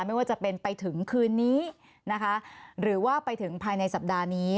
ไม่ว่าจะเป็นไปถึงคืนนี้นะคะหรือว่าไปถึงภายในสัปดาห์นี้